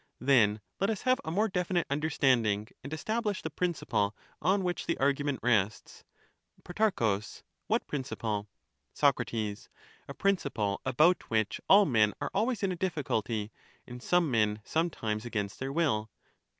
Then let us have a more definite understanding and We have establish the principle on which the argument rests. u^n^he Pro, What principle ? old prob Soc, A principle about which all men are always in a ^™o^^« difficulty, and some men sometimes against their will.